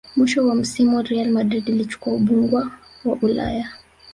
mwisho wa msimu real madrid ilichukua ubungwa wa ulaya